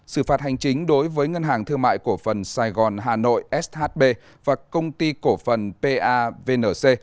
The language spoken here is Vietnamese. xử phạt hành chính đối với ngân hàng thương mại cổ phần sài gòn hà nội shb và công ty cổ phần pavnc